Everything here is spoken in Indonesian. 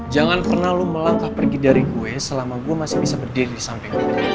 jangan pernah lo melangkah pergi dari gue selama gue masih bisa berdiri di samping lo